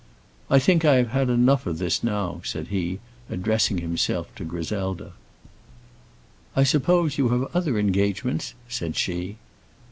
"I think I have had enough of this now," said he, addressing himself to Griselda. "I suppose you have other engagements," said she.